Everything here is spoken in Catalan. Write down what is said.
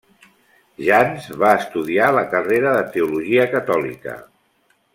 Jans va estudiar la carrera de teologia catòlica.